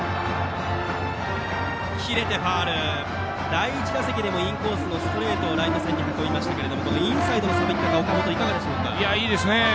第１打席でもインコースのストレートをライト線に運びましたがインサイドのさばき方いいですね。